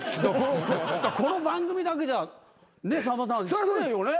この番組だけじゃねっさんまさん失礼よね。